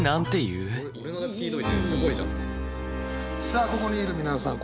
さあここにいる皆さん